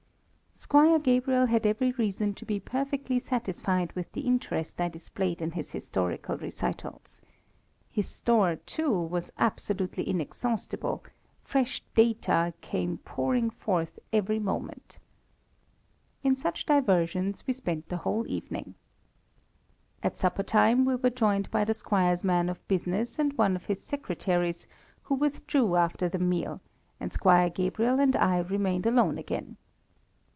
Squire Gabriel had every reason to be perfectly satisfied with the interest I displayed in his historical recitals. His store, too, was absolutely inexhaustible, fresh data came pouring forth every moment. In such diversions we spent the whole evening. At supper time we were joined by the squire's man of business and one of his secretaries, who withdrew after the meal, and Squire Gabriel and I remained alone again.